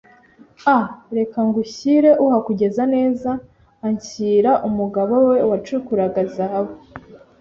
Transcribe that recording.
a reka ngushyire uhakugeza neza, anshyira umugabo we wacukuraga zahabu,